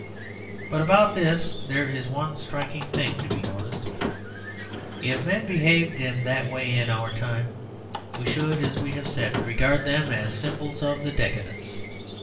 But about this there is one striking thing to be noticed. If men behaved in that way in our time, we should, as we have said, regard them as symbols of the 'decadence.'